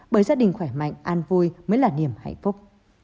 bởi gia đình khỏe mạnh an vui mới là niềm hạnh phúc